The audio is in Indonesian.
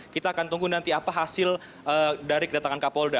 kita akan tunggu nanti apa hasil dari kedatangan kapolda